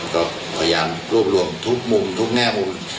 ก็พยายามรวบรวมทุกมุมทุกแง่มุม